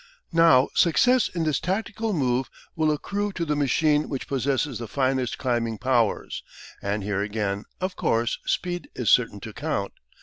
Now success in this tactical move will accrue to the machine which possesses the finest climbing powers, and here again, of course, speed is certain to count.